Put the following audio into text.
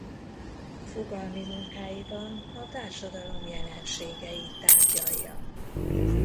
Fogalmi munkáiban a társadalom jelenségeit tárgyalja.